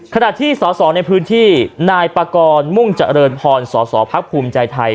ขณะที่สอสอในพื้นที่นายปากรมุ่งเจริญพรสอสอพักภูมิใจไทย